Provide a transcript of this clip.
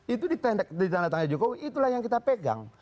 itu ditanda tangan jokowi itulah yang kita pegang